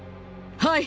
はい。